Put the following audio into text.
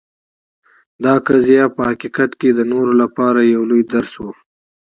دا قضیه په حقیقت کې د نورو لپاره یو لوی درس و.